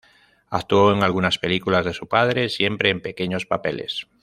Actuó en algunas películas de su padre, siempre en pequeños papeles.